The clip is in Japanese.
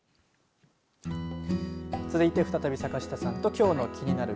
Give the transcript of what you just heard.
続いて再び坂下さんときょうのキニナル！